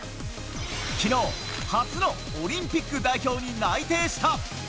昨日、初のオリンピック代表に内定した。